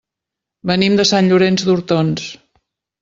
Venim de Sant Llorenç d'Hortons.